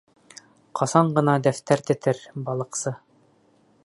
Ҡасан ғына дәфтәр тетер, Балыҡсы